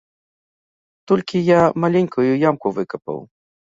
Толькі я маленькую ямку выкапаў.